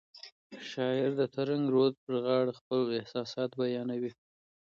شاعر د ترنګ رود په غاړه خپل احساسات بیانوي.